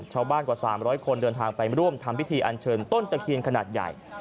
กว่า๓๐๐คนเดินทางไปร่วมทำพิธีอันเชิญต้นตะเคียนขนาดใหญ่